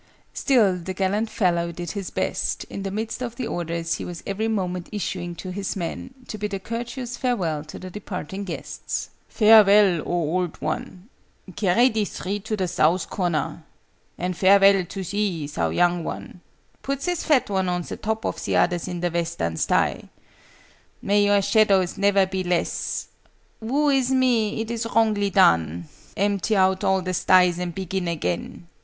Still the gallant fellow did his best, in the midst of the orders he was every moment issuing to his men, to bid a courteous farewell to the departing guests. "Farewell, oh old one carry these three to the South corner and farewell to thee, thou young one put this fat one on the top of the others in the Western sty may your shadows never be less woe is me, it is wrongly done! Empty out all the sties, and begin again!"